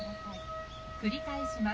繰り返します。